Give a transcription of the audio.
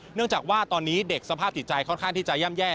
เนื่องจากว่าตอนนี้เด็กสภาพจิตใจค่อนข้างที่จะย่ำแย่